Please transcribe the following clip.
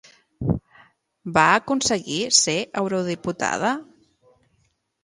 Va aconseguir ser eurodiputada?